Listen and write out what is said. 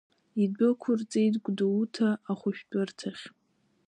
Идәықәырҵеит Гәдоуҭа ахәышәтәырҭахь.